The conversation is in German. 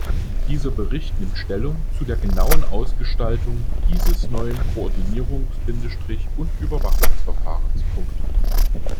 Dieser Bericht nimmt Stellung zu der genauen Ausgestaltung dieses neuen Koordinierungs- und Überwachungsverfahrens.